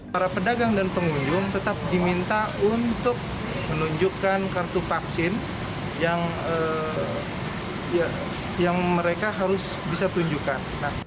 para pedagang dan pengunjung tetap diminta untuk menunjukkan kartu vaksin yang mereka harus bisa tunjukkan